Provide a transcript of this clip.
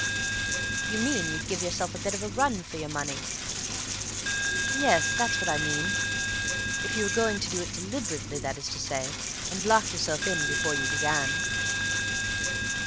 "You mean you'd give yourself a bit of a run for your money?" "Yes, that's what I mean. If you were going to do it deliberately, that is to say—and lock yourself in before you began."